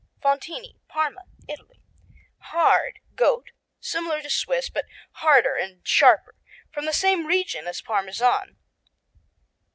Fontini Parma, Italy Hard; goat; similar to Swiss, but harder and sharper. From the same region as Parmesan.